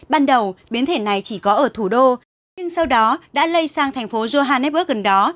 ban đầu biến thể này chỉ có ở thủ đô nhưng sau đó đã lây sang thành phố johanebburg gần đó